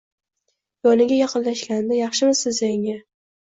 Yoniga yaqinlashganida Yaxshimisiz yanga